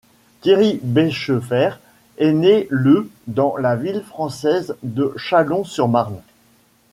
Thierry Beschefer est né le dans la ville française de Châlons-sur-Marne.